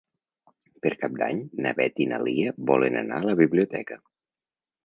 Per Cap d'Any na Beth i na Lia volen anar a la biblioteca.